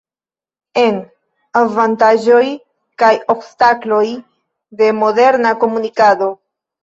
En: Avantaĝoj kaj obstakloj de moderna komunikado.